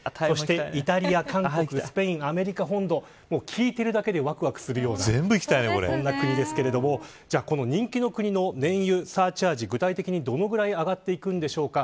聞いているだけでわくわくするようなそんな国ですけれどもこの人気の国の燃油サーチャージ具体的にどのぐらい上がっていくんでしょうか。